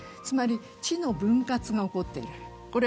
つまり、知の分割が起こっている。